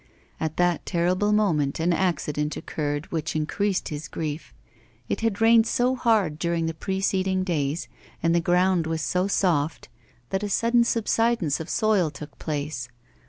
At that terrible moment an accident occurred which increased his grief. It had rained so hard during the preceding days, and the ground was so soft, that a sudden subsidence of soil took place.